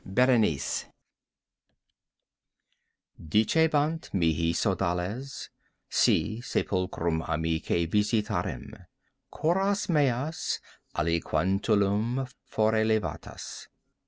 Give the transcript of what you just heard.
BERENICE Dicebant mihi sodales, si sepulchrum amicae visitarem, curas meas aliquar tulum fore levatas.